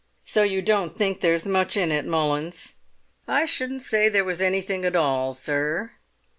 "So you don't think there's much in it, Mullins?" "I shouldn't say there was anything at all, sir."